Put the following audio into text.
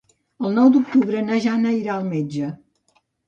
El nou d'octubre na Jana irà al metge.